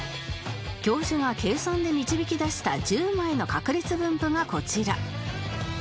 教授が計算で導き出した１０枚の確率分布がこちら